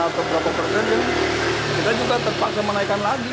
kita juga terpaksa menaikkan lagi